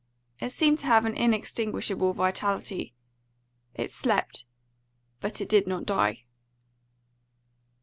It seemed to have an inextinguishable vitality. It slept, but it did not die.